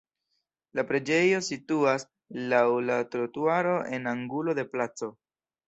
La preĝejo situas laŭ la trotuaro en angulo de placo.